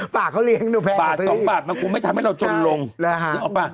ปากเขาเลี้ยงหนูแพงเขาซื้ออีกบาท๒บาทมันคงไม่ทำให้เราจนลงนึกออกปะใช่ใช่